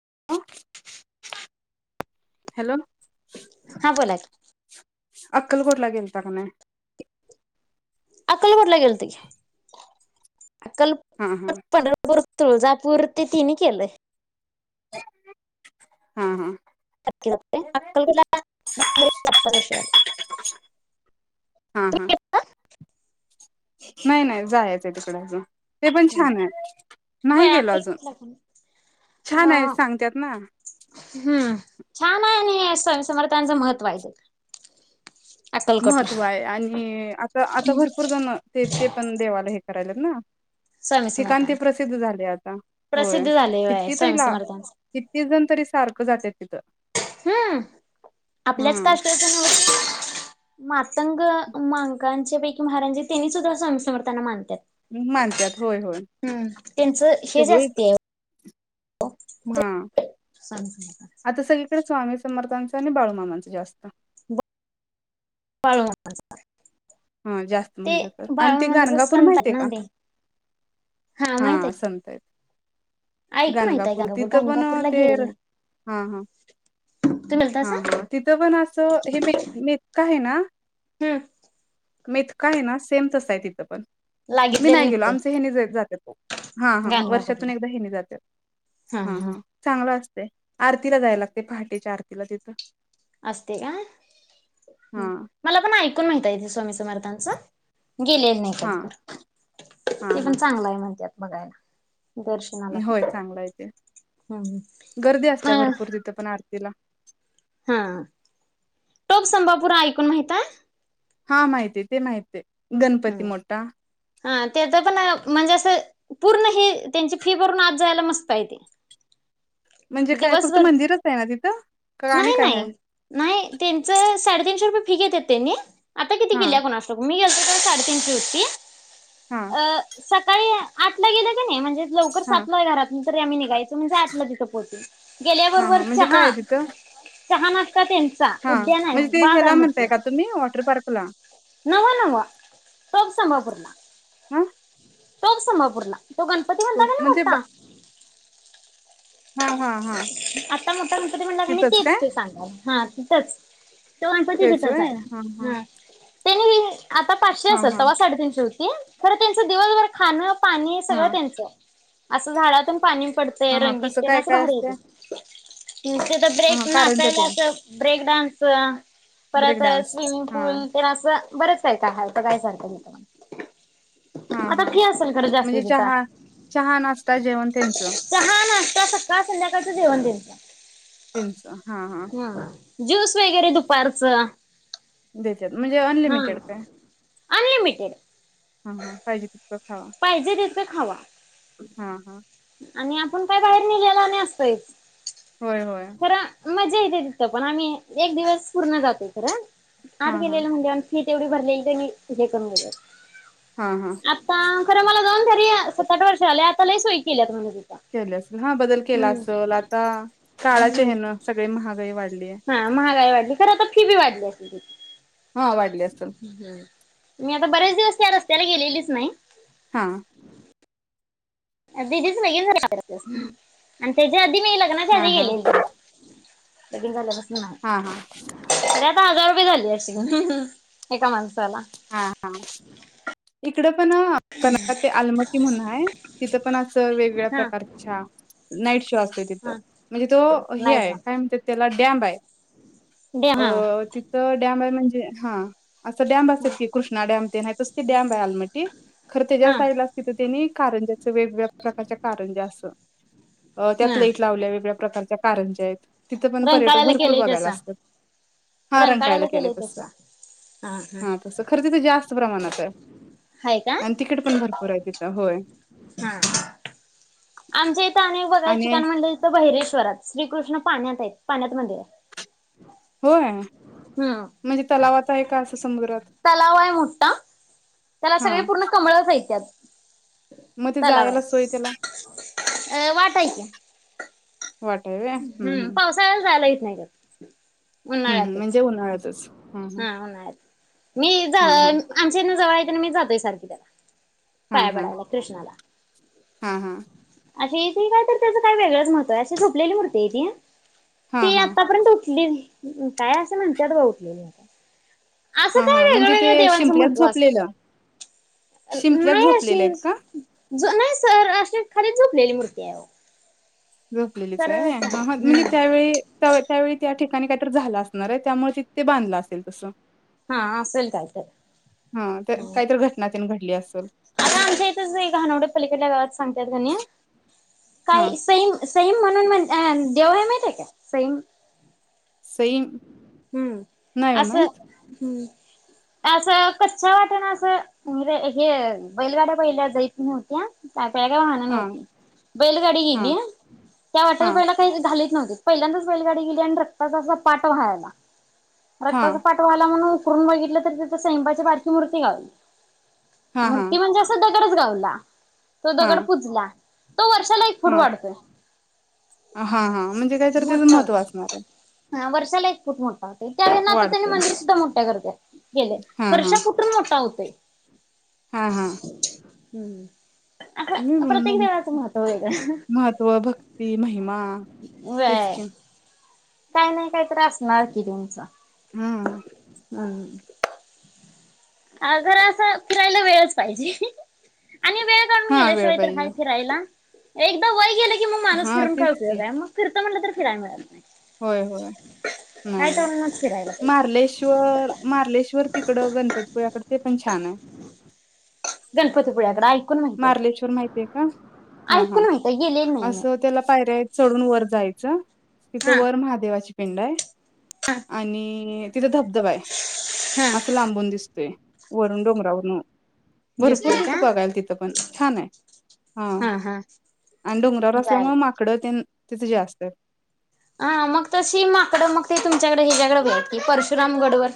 [unintelligible] Hello. हा बोला की अक्कलकोटला गेलता की नाहि अक्कलकोटला गेलतो कि हा हा अक्कलकोट पंढपूर तुळजापूर ते तिनी केलंय हा हा. अक्कलकोटला दर वर्षी जातो हा हा तुम्ही गेलता. नाही नाही जायाचं त कड आजुन ते पण छान आहे नाही होय गेल अजून अक्कलकोटला पण छान आहे अ, सांगत्यात ना. हम्म छान आहे. आणि स्वामी समर्थांच महत्त्व आहे ते. अक्कलकोटला महत्व आहे आणि आता आता भरपूर जण ते ते पण देवाला हे करायला ना स्वामी ठिकाण ते समर्थांच प्रसिद्ध झाले आता. होय प्रसिद्ध झाले आहे किती तरी स्वामी ला समर्थांच किती जण तरी सारखं जात्यात तिथं. हम्म आपल्याच हम्म कष्टाच नव मातंग मांकांचे पैकी महारांज तेनी सुद्धा स्वामी समर्थांना मानतात. मानतात होय होय हम्म त्यांचं हे सगळे जास्ती आहे. हा स्वामी समर्थांचं आता सगळीकडे स्वामी समर्थांच आणि बाळूमामांचं जास्त [unintelligible] हा जास्त ते म्हणलं तर आणि ते बाळूमामाचा गाणगापूर संत आहेत माहितय ना का ते माहित हा आहे संत आहेत. ऐक माहित आहे गाणगापूर तिथ पण गाणगापूरला ते गेलेली नाही हा हा तुम्ही हा गेलतासा हा तिथं पण असं हे म मेका आहे ना हम्म काय आहे ना सेम तस आहे तिथं पण. मी लागितलेलं नाही गेलो निघतंय आमच ह्यानी जात्यात. हा हा वर्षातून गाणगापूरला एकदा हेनी जात्यात. हा हा चांगलं अस आरतीला जायला लागते, पहाटेच्या आरतीला तिथं. असते अ हां, मला पण ऐकून आहे ताई ते स्वामी सम समर्थांचं गेलेलं नाही कधी हां. क हां, ते पण हां. चांगलं आहे म्हणत्यात. बघायला दर्शनाला होय ते चांगल आहे तेे हम्म गर्दी अ असते भरपूर तिथे पण आर तिला हा टोप संभापुरा ऐकून माहीता हा माहिती आहे. ते माहित आहे. गणपती हम्म मोठा हा त्याच पण म्हणजे असं पूर्ण हे त्यांची फी भरून आत जायला मस्त आहे ते. म्हणजे काय फक्त दिवसभर मंदिरच आहे ना तिथं? का आणि नाही काय नाही आहे? नाही त्यांच साड तीनशे रुपये फी घेण्यात त्यांनी. आता किती हां, केल्या कुणास ठाऊक मी [unintelligible] त्यांची होती. हां, अ स आठला गेल कणी म्हणजे लवकर हां, सातल घरात तरी आम्ही निघायचो म्हणजे आठला तिथं पोहचू हां, गेल्याबरोबर हां. म्हणजे काय चहा. आहे तिथं? चहा-नाष्टा. हा म्हणजे ते ह्याला म्हणताय का तुम्ही वॉटर पार्क ला. नव्हं, नव्हं, टोपसंभापुरला. हा. टोपसंभापूरला. तो गणपती म्हणता कनी म्हणजे मोठा. हा हा हा आता मोठा गणपती म्हणला कनी तिथंच काय तेच ते सांगालोय. हा तिथंच. तो गणपती तिथंच आहे, हा. त्यांनी आता पाचशे हा असेल, हा तेव्हा साडेतीनशे होतं. खर त्यांच दिवसभर खाण पाणी हा सगळं त्यांचं. असं झाडातून पाणी हा पडतयं हा रंगीत कसं ते ना काय असं काय बाहेर असते येतय. तिथं हा हा ब्रेक कारंजा नाचायला तेन असं ब्रेक डान्स ब्रेक परत डान्स स्विमिंग हा पूल तेन असं बरंच काय काय हाय, बघाय सारखं तिथं. हा आता हा फी असेल खरं जास्ती म्हणजे, तिथं चहा-चहा, नाश्ता जेवण तेनचं. चहा नाश्ता सकाळ संध्याकाळचं जेवण तेनचं तेनच हा हा. ज्यूस वगैरे दुपारचं देत्यात म्हणजे, हा अनलिमिटेड काय? अनलिमिटेड हा हा पाहिजे. खावा पाहिजे तितकं खावा. हा हा. आणि आपण काय बाहेर नेहल्याल आणि आसतयच. होय, होय. मजा येते तिथं, पण आम्ही एक दिवस पूर्ण जातोय खर. आत हा हा गेलेलं म्हनल्यावर फी तेवढी भरलेली तेनी ही करून घेत्यात. हा हा आता. ं मला जाऊन तरी सठ वर्ष आले, आता लही सोई केल्यात म्हण. [unintelligible] असल हा बदल केला असेल आता. काळा चे हम्म हेण सगळे. हवे वा हा महागाई वाढली खर, आता फी बी वाढल्या. हा वाढली असेल [unintelligible] हम्म, मी आता बरेच दिवस त्या रस्त्याला गेलेलीच नाही. हा. दीदीचं [unintelligible] आणि त्याच्या मी लग्नाच्या हा आधी हा गेलेल तिच्या. लगीन [unintelligible] [unintelligible] हा हा झाली [unintelligible] एका म हा हा [unintelligible] इकडं पण क [unintelligible] ते अलमट्टी म्हणून हाय. तिथं पण वेगवेगळ्या हा प्रकार च्या [unintelligible] तथ हा म्हणजे, तो नाहीच हे काय म्हणत्यात त्या त्या बाय‌. दे अ हा तिथं डॅम हाय म्हणजे? हा, अस हा ते कृष्णाडे्यामतेन [unintelligible] डॅम. [unintelligible] अलमट्टी, खर तेजा हा साईड लाच तेनी कारंज्याचं वेगवेगळ्या प्रकारच्या कारंज्या असं. अ त्यात हा लाईट लावल्या वेगळ्या प्रकारच्या. कारंजा [unintelligible] तिथं पण पर्यटक भरपूर बघायला असतात. हा रंकाळायला रंकाळेला केलंय तस आ ह. तस खरं तिथं जास्त प्रमाणात हाय हाय का आणि तिकीट पण भरपूर. हाय तिथं होय. हा आमच्या इथं अनेक बघायची आणि कारण म्हणजे तथं बहिरेश्वरात श्रीकृष्ण पाण्यात आहेत पाण्यात मंदिर हाय होय म्हणजे तलावात हाय का असं समुद्रात तलाव आहे मोठा त्याला हा सगळे पूर्ण कमळ च्यात. मग ते चलाव आहे जायला सोय त्याला अ वाटय क हम्म पावसाळ्या झाला. इथ नाही कर हम्म हम्म उन्हाळ्यातच म्हणजे उन्हाळ्यातच हा उन्हाळ्यात मी हा हा आमच्याने जवळ मी जातोय सारखी त्याला हा पाया हा पडायला कृष्णाला हा हा अ इथे काय तर त्यां काय वेगळंच महत्व आहे अशी झोपलेली. मूर्ते इ ती हा ते हा आतापर्यंत उठली काय असं म्हणतत बा उठलेली आता असं हा काय हा वेगळ्या म्हणजे ते वेगळ्या देवांचं शिंपल्यात महत्त्व असतंय झोपलेलं शिंपल्यात नाही. झोपलेले अशी आहेत का ज नाही सर खर झोपलेली मुडते आय झोपलेलीच आहे ह म्हणजे त्यावेळी त्या त्यावेळी त्या ठिकाणी कायत झाला असणार आहे. त्यामुळे तिथे बांधलं असेल तसं हा असेल कायत हा काहीतरी घटना त्यांनी घडली असेल. अर असं आमच्या इथच एक घानवड्या पलीकड गावात सांगतयात गणी का हा सेम सैम म्हणून म्हणज अ देव आहे माहि आहे का सैम सई हम्म नाही ओ असं माहित हम्म. असं कच्छ वाटन असं म्हे हे बैलगाड्या पहिल्या जैत नाही होत्या का का काय वाहनं हा नव्हती बैलगाडी हा गेली त्या हा वाटला पहि काही झा. व्हती पहिल्यांदाच बैलगाडीेली आणि रक्ताात. पाठ व्हायला. हा रक्ताच पाठवाला म्हणून ून बघितलं तरी त संपाच्या बारखी मूर्ती काली हां, हां, मती म्हणजे असं. च गावला तो हां, दगड पुजला तो वर्षाला एक फूट वाढतोय हा हा म्हणजे कायतरी त्याचं मोठा महत्त्व होतो असणार आहे हा वर्षाला एक फूट मोठा होतयं त्या आता त्यांनी वाढतंय. मंदिर सुद्धा मोठ करतील गेले वर्षा कुठून मोठा होतय [inaudible] हा हा हम् हम् ह् महत्व भक्ती महिमा तेच व्हय की काही नाही काही तर असणार की तुमचं हा [unintelligible] अ खरं असं फिरायला वेळच पाहिजे आणि वेळ काढून गेल्या हां, वेळ शिवाय तर आहे पाहिजे. फिरायला एकदम वय गेले की मग माणूस हां, फिरुन काय तेच उपयोग की. आहे मग जातो म्हट तर फिरायला मिळत नाही होय होय नाही हाय नाही तेवढ्यानच फिरायला पाहिजे मार्लेश्वर मार्लेश्वर तिकड गणपतीपळ्या कडे पण ते पण छान आहे गणपतीपुळ्याकडे ऐकून माहित आहे ते मारलेश्वर माहितीय का ह ह ऐकून माहित आहे गेलेली नाही अस मी त्याला पायऱ्या आहेत चढून वर जायच तिथं हा वर महादेवाची पिंड आहे हा आणि तिथे धबधबा आहे हा असं लांबून दिसतोय वरुन डोंगरावरन भरपूर दिसतोय का तिथं बघायला तिथं छान आहे हा आणि डोंगरावर जायला असल्यामुळे पाहिजे. माकडं तेन तिथे जास्त आहेत हा मग तशी माकडं मग ते तुमच्याकडे हिच्यायाकडे परशुराम गडवर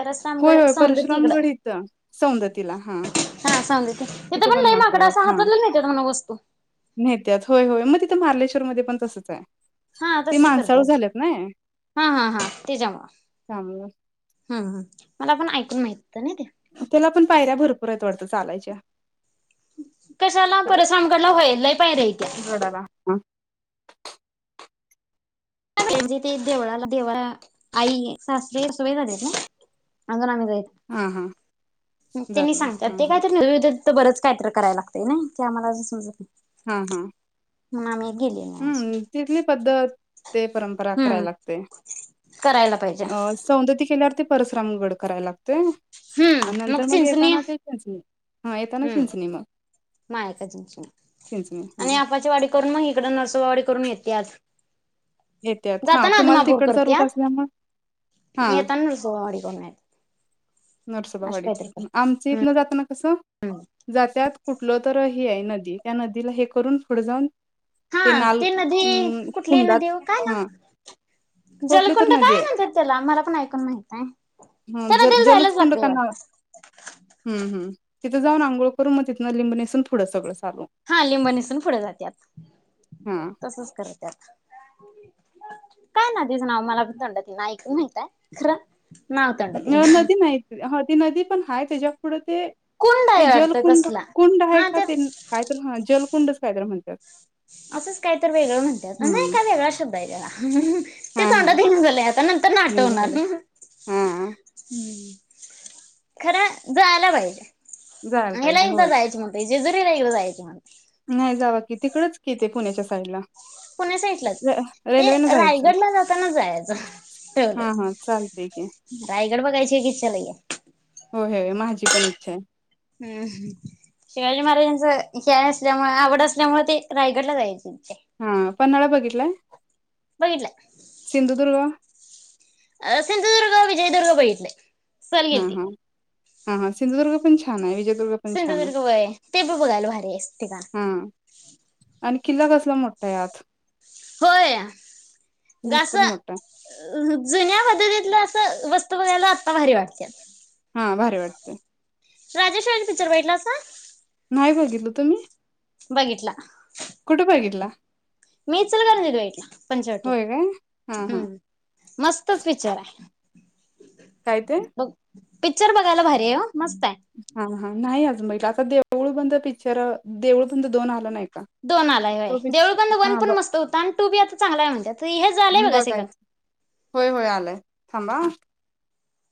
परस् होय आमकडे होय परशुरामगड सौंदतीकडं इथं सौंदतीला हां हा सौंदती तथं तिथे पण नाही माकडं माकड असं आहेत हां. हातला न्हेत्यात वस्तू नेत्यात होय होय मग तिथं मारलेश्वर मध्ये पण तसंच आहे. हा ते तसच करत माणसाळू झाल्यात नाय हा हा हा त्याच्यामुळ त्यामुळं ह मला पण ऐकून माहित होत ना ते. त्याला पण पायऱ्या भरपूर येत वाटतं चालायच्या कशाला परस आमगडला व्हय लय पायऱ्याहायत गडाला हां णजे ते देवळाला दे आई सासरी सोय झालेत ना अजून आम्ही हां हां मग जात त्यांनी नाही सांगतात हां ते हां कायतरी तर बरंच कायतरी करायला लागतय नाय. क आ मलां समजत हम्म हम्. म्हणून आम्ही गेले नाही आज. हम्म तिथली पद्धत ते परंपरा करायला हम्म लागते करायला पाहिजे. अ सौंदती केल्यावर ते परश्रम गड करायला लागतोय. हम्म मग चिंचणी हां येताना हम्म चिंचणी मग मायका चिंचणी चिंचणी आणि हा आपची वाडी करून म ही ड नरसोबावाडी करून येत्यात. येत्यात हा जाताना तुम्हाला अदमापूर तिकडचा करते रूट असल्यामुळे हा येताना नरसोबावाडी करून येत नरसोबा वाडीकर आमच इथन जातना कसं जात्यात कुठलं तर नदी त्या नदीला हे करून पुढ जाऊन हा ते नाल ती नदी अम कुठली कुंडात नदी काय हा नाव कुठली तर जलकुंड नदी काय आहे ना तर त्याला आम्हाला पण ऐकून माहित आहे त्या ज नदीला जायला जलच कुंड हम हम जाऊ आंघोळ करून म तिथं लिब नेसून थडं सगळं चालू हा लिंब नसून पुढे जात्यात हा तसच करत्यात. काय नदीचं नाव मला पण तोंड ईना ऐकून माहितेय खरं नाव तोंडात येईना. नदी नाही ह ती नदी पण हाय त्याच्या पुुढं ते कोण डाय ते अर्थ जलकुंड कसला कुंड आहे हा का त्यात ते कायत ह जलकुंडच कायतर म्हण तर असंच काय तर वेगळं म्हणते नाही हम्म का वेगळा शब्द आहे त्याला ते तोंडांत येईना झाले आता नंत हम् झाल हम् खरा जो आला जायला पाहिजे ह्याला पाहिजे एकदा होय जायच म्हणतोय जेजुरी का एकदा जायचय मला. नाही जावा की तिकडच की ते पुण्याच्या साईडला. पुण्या साईडलाच ते रेल्वे न जायचं रायगडला जातानच जायचं हा हा चालतय की ठवलंय राय गड बघायची एक इच्छा लई आहे हो हय माझी पण इच्छा आहे हुं शिवाजी महाराजांचं हे आसल्यामुळ आवड असल्यामुळ ते रायगडला जायचय आहे. च्य हा पन्हाळा बघितलाय? सिंधुदुर्ग अ सिंधुदुर्ग विजयदुर्ग बघितलय. सहल हा गेलती हा हा, हां सिंधुदुर्ग पण छान विजय सिंधुदुर्ग व्हय ते बी बघायल भारी हाय आस ठिकाण हा आणि किल्ला कसला मोठा हाय आत होय गास भरपूर मोठा जुन्या पद्धतीतलं असं वस्त तू बघायला आता भारी वाटत्यात आहे हा भारी वाटतय राजेशवाणी पिचर बघीटलासा? नाही बघितलं तुम्ही बघिटला कुठ बघितला? मी इचलकरंजीत बघितला होय काय हा पंचवटीला हा हुं मस्तच पिचर हाय. काय ते? पिचर बघायला भर हाय ओ मस्त हाय हा नाही आजून बघितला आता देळ बंद पिचर देऊळ बंद दोन आलं नाही का दोन आलाय होय तो देऊळ बंद पिक्चर वन हा पण बघ मस्त होता आणि टू बी आता चांगला आहे म्हणत्यात हे झालंय बघा बघाय सिगन होय होय आलाय थांबा